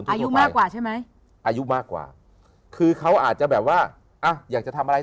อายุมากกว่าใช่ไหมอายุมากกว่าคือเขาอาจจะแบบว่าอ่ะอยากจะทำอะไร